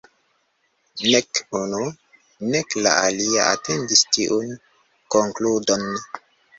Nek unu, nek la alia atendis tiun konkludon.